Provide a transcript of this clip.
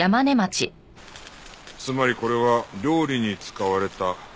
つまりこれは料理に使われた動物の骨。